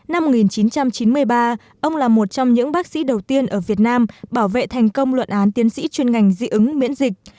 năm một nghìn chín trăm chín mươi ba ông là một trong những bác sĩ đầu tiên ở việt nam bảo vệ thành công luận án tiến sĩ chuyên ngành dị ứng miễn dịch